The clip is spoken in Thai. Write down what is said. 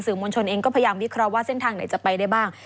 มวลชนเองก็พยายามวิเคราะห์ว่าเส้นทางไหนจะไปได้บ้าง